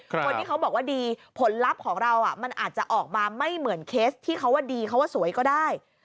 คนที่เขาบอกว่าดีผลลัพธ์ของเรามันอาจจะออกมาไม่เหมือนเคสที่เขาว่าดีเขาว่าสวยก็ได้